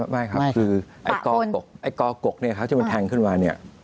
ไม่ครับคือกรกกที่มันแทงขึ้นมา